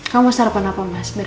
kamu sarapan apa mas biar aku ambil ya